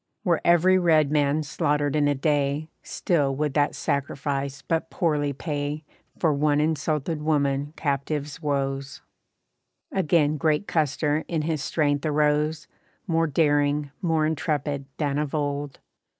Were every red man slaughtered in a day, Still would that sacrifice but poorly pay For one insulted woman captive's woes. Again great Custer in his strength arose, More daring, more intrepid than of old.